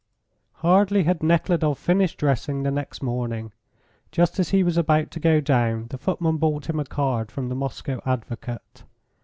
Hardly had Nekhludoff finished dressing the next morning, just as he was about to go down, the footman brought him a card from the Moscow advocate.